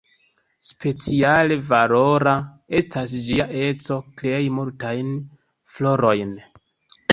Speciale valora estas ĝia eco krei multajn florojn.